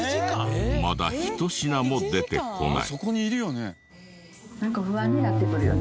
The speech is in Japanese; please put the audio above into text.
まだ１品も出てこない。